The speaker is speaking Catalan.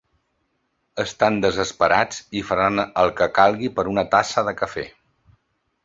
Estan desesperats i faran el que calgui per una tassa de cafè.